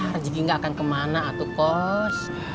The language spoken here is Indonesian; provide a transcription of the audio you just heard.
hah rezeki nggak akan kemana atukos